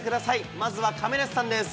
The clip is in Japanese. まずは亀梨さんです。